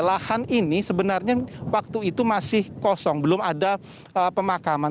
lahan ini sebenarnya waktu itu masih kosong belum ada pemakaman